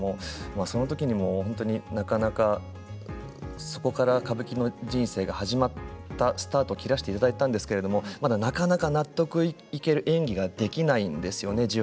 そのときにも、そこから歌舞伎の人生が始まったスタートを切らせていただいたんですが、なかなか納得いける演技ができないんですよね